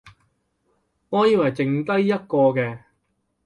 我以為剩得一個嘅